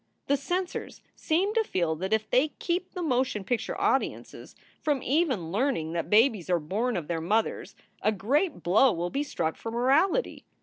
"The censors seem to feel that if they keep the motion picture audiences from even learning that babies are born of their mothers a great blow will be struck for morality.